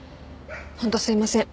本当すいません。